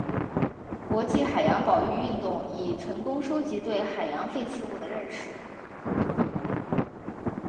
国际海洋保育运动已成功收集对海洋废弃物的认识。